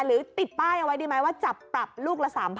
หรือติดป้ายเอาไว้ดีไหมว่าจับปรับลูกละ๓๐๐